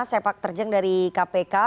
sepak terjeng dari kpk